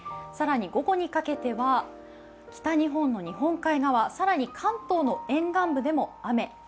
更に午後にかけては、北日本の日本海側、更に関東の沿岸部でも雨。